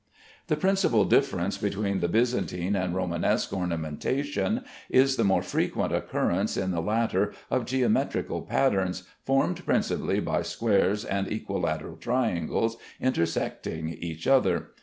The principal difference between the Byzantine and Romanesque ornamentation is the more frequent occurrence in the latter of geometrical patterns, formed principally by squares and equilateral triangles intersecting each other.